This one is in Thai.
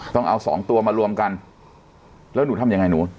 ต้องเอาสองตัวมารวมกันแล้วหนูทำยังไงหนู